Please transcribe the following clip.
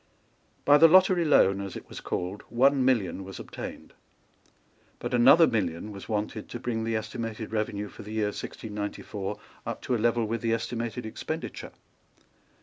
By the lottery loan, as it was called, one million was obtained. But another million was wanted to bring the estimated revenue for the year 1694 up to a level with the estimated expenditure.